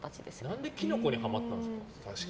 何でキノコにハマったんですか？